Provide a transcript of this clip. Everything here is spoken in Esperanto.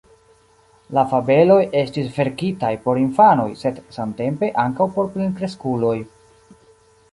La fabeloj estis verkitaj por infanoj, sed samtempe ankaŭ por plenkreskuloj.